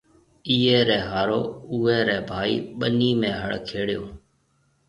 ايئي ريَ هارو اُوئي ريَ ڀائي ٻنِي ۾ هڙ کيڙيو هيَ۔